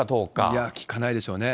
いや、聞かないでしょうね。